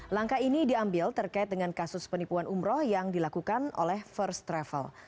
langkah ini diambil terkait dengan kasus penipuan umroh yang dilakukan oleh first travel